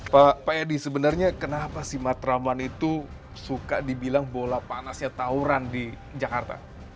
pak edi sebenarnya kenapa si matraman itu suka dibilang bola panasnya tauran di jakarta